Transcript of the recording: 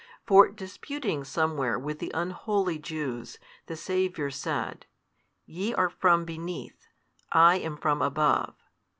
For disputing somewhere with the unholy Jews, the Saviour said, Ye are from beneath; I am from above.